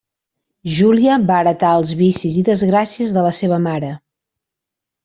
Júlia va heretar els vicis i desgràcies de la seva mare.